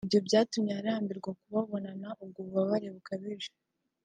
Ibi byatumye arambirwa kubabonana ubwo bubabare bukabije